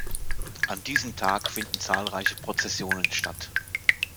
An diesem Tag finden zahlreiche Prozessionen statt.